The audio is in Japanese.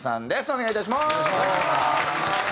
お願いします。